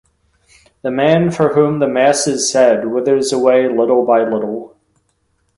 The man for whom the mass is said withers away little by little.